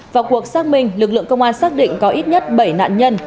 vào cuộc xác minh lực lượng công an xác định có ít nhất bảy nạn nhân